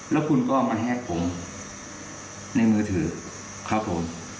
แล้วคุณก็มาแฮกผมในมือถือครับผม